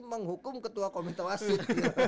menghukum ketua komite wasit